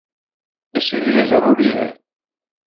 اس کے لئیے ضروری ہے